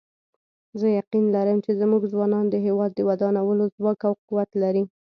زه یقین لرم چې زموږ ځوانان د هیواد د ودانولو ځواک او قوت لري